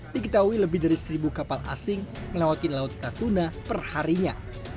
diketahui lebih dari seribu kapal asing melewati laut natuna perharinya